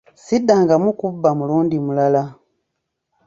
Siddangamu kubba mulundi mulala.